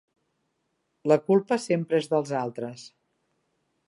La culpa sempre és dels altres.